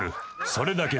［それだけ？］